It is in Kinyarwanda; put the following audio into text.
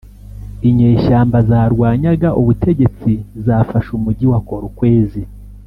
inyeshyamba zarwanyaga ubutegetsi zafashe umujyi wa Kolkwezi